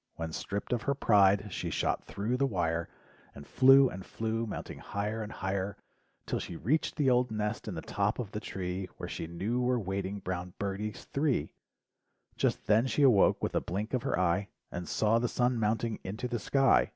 When stripped of her pride she shot thru the wire LIFE WAVES 19 And flew and flew, mounting higher and higher, Till she reached the old nest in the top of the tree. Where she knew were waiting brown birdies three Just then she awoke with a blink of her eye And saw the sun mounting into the sky.